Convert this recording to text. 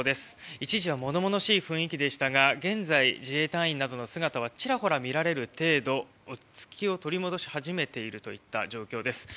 一時は物々しい雰囲気でしたが現在、自衛隊員などの姿はちらほら見える程度落ち着きを取り戻し始めているといった状況です。